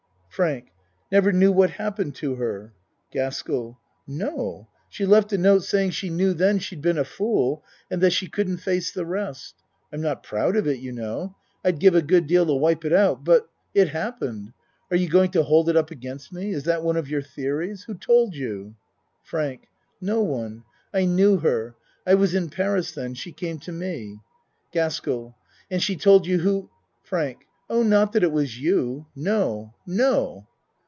FRANK Never knew what happened to her? GASKELL No. She left a note saying she knew ACT III 103 then she'd been a fool and that she couldn't face the rest. I'm not proud of it, you know. I'd give a good deal to wipe it out but it happened. Are you going to hold it up against me? Is that one of your theories? Who told you? FRANK No one. I knew her. I was in Paris then. She came to me. GASKELL And she told you who ? FRANK Oh, not that it was you no no.